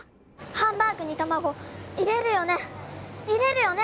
ハンバーグに卵入れるよね入れるよね？